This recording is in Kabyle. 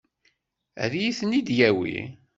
Ad iyi-ten-id-yawi?